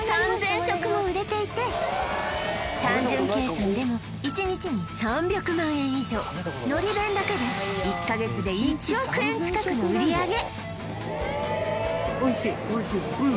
食も売れていて単純計算でも１日に３００万円以上海苔弁だけで１カ月で１億円近くの売上銀鱈？